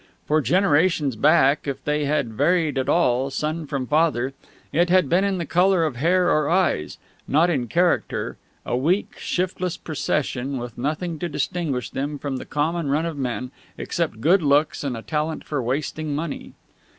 For generations back, if they had varied at all, son from father, it had been in the color of hair or eyes, not in character a weak, shiftless procession, with nothing to distinguish them from the common run of men except good looks and a talent for wasting money.